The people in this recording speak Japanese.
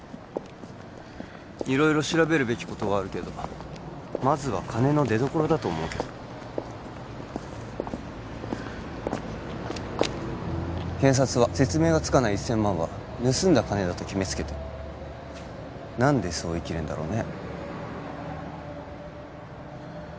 色々調べるべきことはあるけどまずは金の出どころだと思うけど検察は説明がつかない１０００万は盗んだ金だと決めつけてる何でそう言い切れるんだろうね？